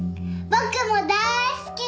僕も大好き！